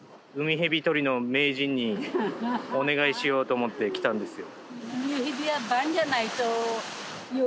ヘビ捕りの名人にお願いしようと思って来たんですよ。